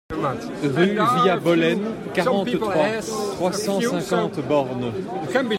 Rue Via Bolen, quarante-trois, trois cent cinquante Borne